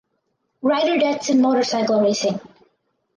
Rider deaths in motorcycle racing